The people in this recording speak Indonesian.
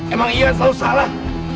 emang iyan selalu salah